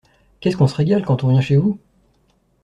Qu’est-ce qu’on se régale quand on vient chez vous!